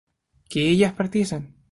¿que ellas partiesen?